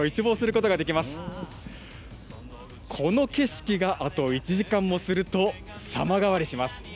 この景色があと１時間もすると、様変わりします。